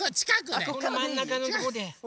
このまんなかのとこで。